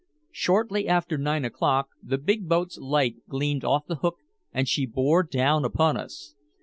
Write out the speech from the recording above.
Shortly after nine o'clock the big boat's light gleamed off the Hook and she bore down upon us.